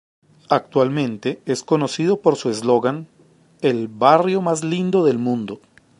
Actualmente, es conocido por su slogan: "El barrio más lindo del mundo".